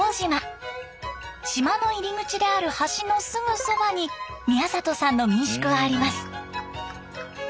島の入り口である橋のすぐそばに宮里さんの民宿はあります。